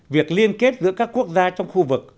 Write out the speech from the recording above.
việc liên kết giữa các quốc gia trong khu vực